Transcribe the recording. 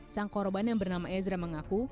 sang korban yang bernama ezra mengaku